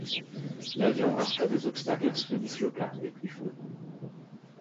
L'avion heurta des obstacles, se disloqua et prit feu.